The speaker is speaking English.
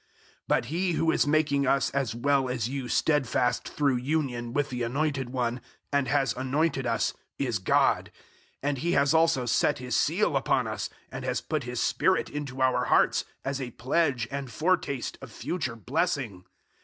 001:021 But He who is making us as well as you stedfast through union with the Anointed One, and has anointed us, is God, 001:022 and He has also set His seal upon us, and has put His Spirit into our hearts as a pledge and foretaste of future blessing.